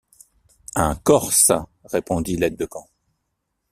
Un Corse, répondit l’aide-de-camp.